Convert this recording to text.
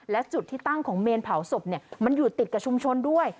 และจุดที่ตั้งของเมนเผาศพมันอยู่ติดกับชุมชนด้วย